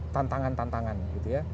tantangan tantangan gitu ya